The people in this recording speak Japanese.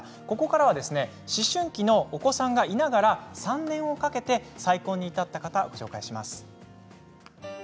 ここからは思春期のお子さんがいながら３年かけて再婚に至った方をご紹介します。